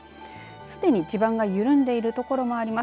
すでに地盤が緩んでいるところもあります。